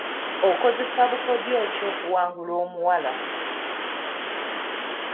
Okozesa bukodyo ki okuwangula omuwala?